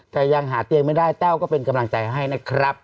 แต่ยังหาเตียงไม่ได้แต้วก็เป็นกำลังใจให้นะครับ